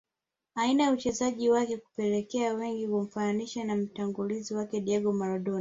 Aina ya uchezaji wake kulipelekea wengi kumfananisha na mtangulizi wake Diego Maradona